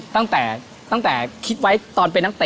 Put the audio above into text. ตั้งแต่คิดไว้ตอนเป็นนักเตะ